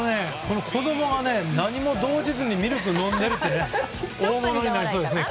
子供が何も動じずにミルク飲んでるっていうね。